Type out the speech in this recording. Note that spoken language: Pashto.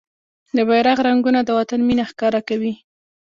د بېرغ رنګونه د وطن مينه ښکاره کوي.